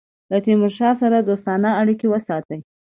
له تیمورشاه سره دوستانه اړېکي وساتي.